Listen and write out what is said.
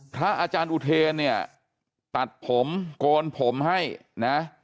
พระอาจารย์อุเทนเนี่ยตัดผมโกนผมให้นะ